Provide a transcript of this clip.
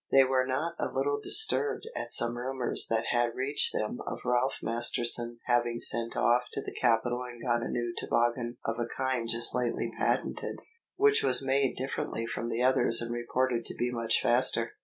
They were not a little disturbed at some rumours that had reached them of Ralph Masterton having sent off to the capital and got a new toboggan of a kind just lately patented, which was made differently from the others and reported to be much faster.